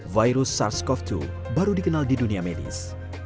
virus sars cov dua baru dikenal di dunia medis